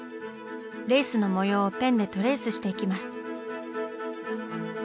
レースの模様をペンでトレースしていきます。